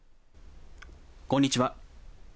こんにちは。